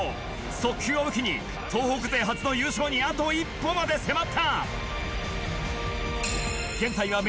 速球を武器に東北勢初の優勝にあと一歩まで迫った。